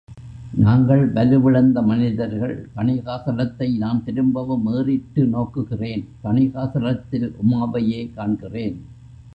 நாங்கள் வலுவிழந்த மனிதர்கள்! தணிகாசலத்தை நான் திரும்பவும் ஏறிட்டு நோக்குகிறேன்.தணிகாசலத்தில் உமாவையே காண்கிறேன்.